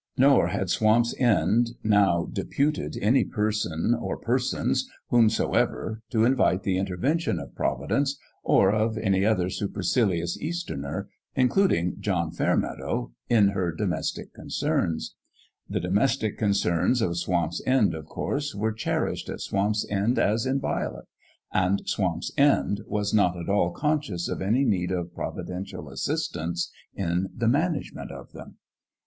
Nor had Swamp's End now deputed any person or persons whomsoever to invite the in tervention of Providence, or of any other super cilious Easterner, including John Fairmeadow, I 4 The STRANGER at SWAMP'S END in her domestic concerns. The domestic con cerns of Swamp's End, of course, were cherished at Swamp's End as inviolate; and Swamp's End was not at all conscious of any need of providential assistance in the management of them.